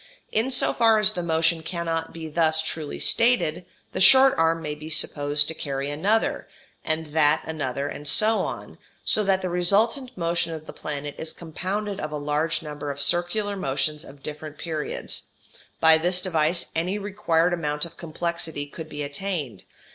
In so far as the motion cannot be thus truly stated, the short arm may be supposed to carry another, and that another, and so on, so that the resultant motion of the planet is compounded of a large number of circular motions of different periods; by this device any required amount of complexity could be attained.